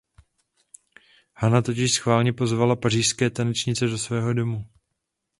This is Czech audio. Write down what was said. Hanna totiž schválně pozvala pařížské tanečnice do svého domu.